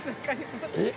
えっ？